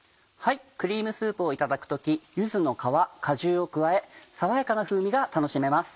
クリームスープをいただく時柚子の皮果汁を加え爽やかな風味が楽しめます。